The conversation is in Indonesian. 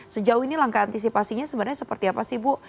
sejauh ini langkah antisipasinya sebenarnya seperti apa sih bu